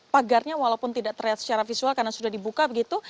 pagarnya walaupun tidak terlihat secara visual karena sudah dibuka begitu